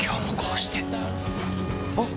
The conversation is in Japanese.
・あっ！！